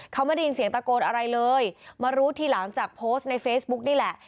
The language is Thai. เขาไม่ได้ยินเสียงตะโกนอะไรเลยมารู้ทีหลังจากโพสต์ในเฟซบุ๊กนี่แหละ